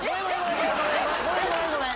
ごめんごめん。